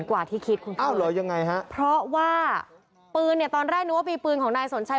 กว่าที่คิดคุณเติมพร้อมว่าตอนแรกนึกว่าปืนของนายสนชัย